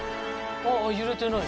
ああ揺れてない。